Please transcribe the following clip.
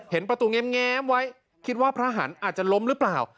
ประตูแง้มไว้คิดว่าพระหันต์อาจจะล้มหรือเปล่า